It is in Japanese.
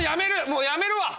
もうやめるわ！は？